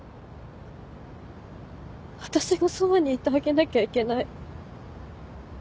私がそばにいてあげなきゃいけない。